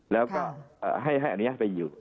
แล้วก็ให้อันนี้ไปอยู่